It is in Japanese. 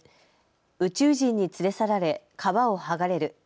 宇宙人に連れ去られ皮を剥がれる。